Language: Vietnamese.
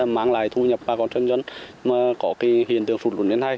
mang lại thu nhập bà con dân dân mà có hiện tượng sụt lún như thế này